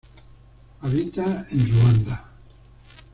Habita en Ruanda.